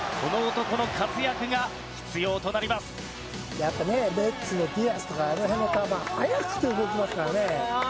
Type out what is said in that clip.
やっぱねメッツのディアスとかあの辺の球は速くて動きますからね。